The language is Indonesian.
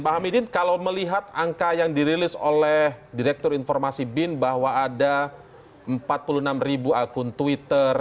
pak hamidin kalau melihat angka yang dirilis oleh direktur informasi bin bahwa ada empat puluh enam ribu akun twitter